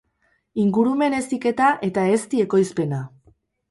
Ingurumen heziketa eta ezti ekoizpena.